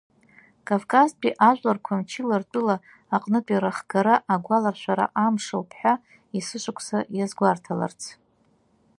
Кавказтәи ажәларқәа мчыла ртәыла аҟнытәи рахгара агәаларшәара амш ауп ҳәа есышықәса иазгәарҭаларц.